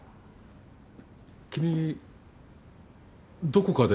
君どこかで。